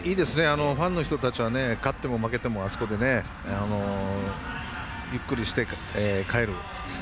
ファンの人たちは勝っても負けてもあそこでゆっくりしてから帰る。